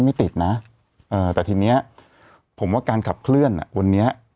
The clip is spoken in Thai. ไม่ติดนะเออแต่ทีเนี้ยผมว่าการขับเคลื่อนอ่ะวันนี้